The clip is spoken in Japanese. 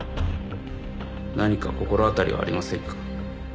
何か心当たりはありませんか？